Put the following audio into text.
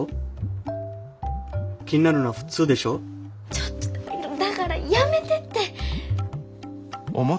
ちょっとだからやめてって。